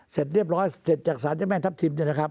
เสร็จเรียบร้อยเสร็จจากสารเจ้าแม่ทัพทิม